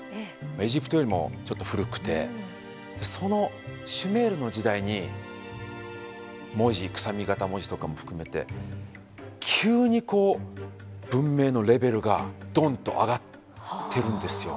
エジプトよりもちょっと古くてそのシュメールの時代に文字くさび形文字とかも含めて急にこう文明のレベルがドンッと上がってるんですよ。